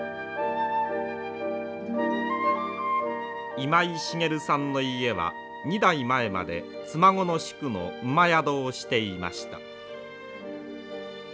今井繁さんの家は２代前まで妻籠宿の馬宿をしていました。